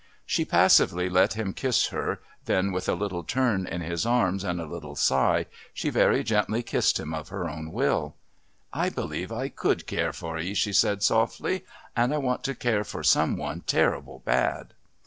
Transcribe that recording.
She passively let him kiss her, then with a little turn in his arms and a little sigh she very gently kissed him of her own will. "I believe I could care for 'ee," she said softly. "And I want to care for some one terrible bad."